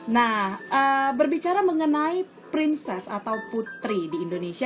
nah berbicara mengenai princess atau putri di indonesia